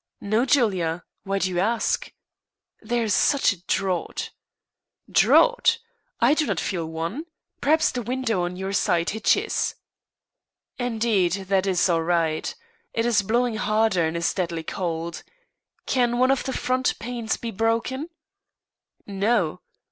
"No, Julia; why do you ask?" "There is such a draught." "Draught! I do not feel one; perhaps the window on your side hitches." "Indeed, that is all right. It is blowing harder and is deadly cold. Can one of the front panes be broken?" "No.